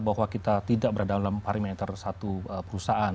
dimana tadi dikatakan kita tidak berada dalam parameter satu perusahaan